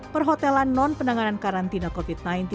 perhotelan non penanganan karantina covid sembilan belas